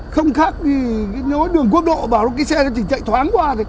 không khác thì nếu đường quốc độ bảo nó cái xe nó chỉ chạy thoáng qua